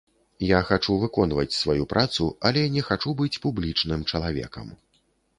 Я хачу выконваць сваю працу, але не хачу быць публічным чалавекам.